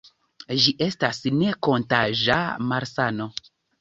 Ĝi estas ne-kontaĝa malsano.